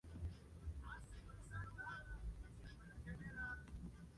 Su aroma es fuertemente marino.